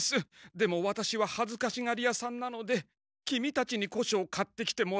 でもワタシははずかしがりやさんなのでキミたちに古書を買ってきてもらいたいのです。